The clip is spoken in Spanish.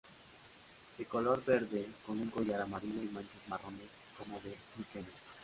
De color verde, con un collar amarillo y manchas marrones como de líquenes.